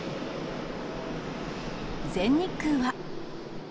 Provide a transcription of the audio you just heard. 全日空は。